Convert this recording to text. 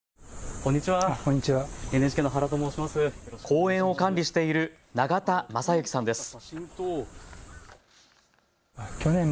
公園を管理している永田雅之さんです。